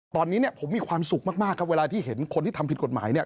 ตอนนี้เนี่ยผมมีความสุขมากครับเวลาที่เห็นคนที่ทำผิดกฎหมายเนี่ย